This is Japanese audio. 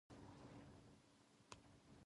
高野豆腐